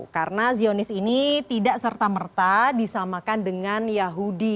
karena zionis ini tidak serta merta disamakan dengan yahudi